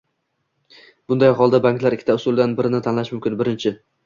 Bunday holda, banklar ikkita usuldan birini tanlashi mumkin: Birinchi